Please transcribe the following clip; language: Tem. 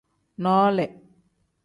Noole.